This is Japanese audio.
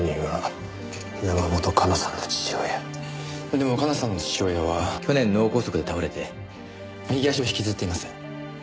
でも香奈さんの父親は去年脳梗塞で倒れて右足を引きずっています。